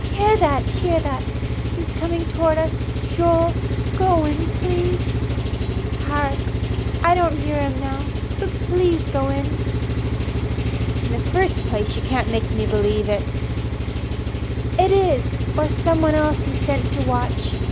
Hear that, hear that! He's coming towards us. Joel, go in please. Hark! I don't hear him now. But please go in." "In the first place you can't make me believe it's " "It is or someone else he's sent to watch.